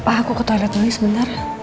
pak aku ke toilet dulu nih sebentar